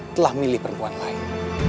telah milih perempuan lain